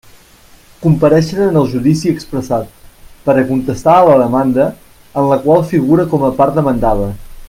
Comparéixer en el judici expressat, per a contestar a la demanda, en la qual figura com a part demandada.